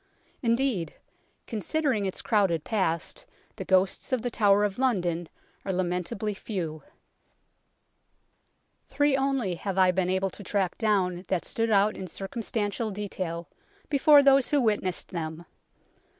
Indeed, considering its crowded past, the ghosts of The Tower of London are lamentably few. GHOSTS IN THE TOWER OF LONDON 59 Three only have I been able to track down that stood out in circumstantial detail before those who witnessed them.